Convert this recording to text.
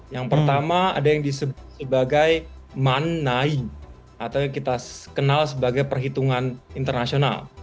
yang pertama ada yang disebut sebagai manai atau yang kita kenal sebagai perhitungan internasional